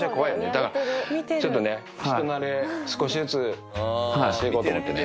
だから、ちょっとね、人なれ、少しずつしていこうと思ってね。